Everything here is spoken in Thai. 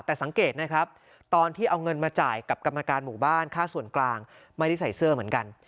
แต่สังเกตนะครับตอนที่เอาเงินมาจ่ายกับกรรมการหมู่บ้านค่าส่วนกลางไม่ได้ใส่เสื้อเหมือนกัน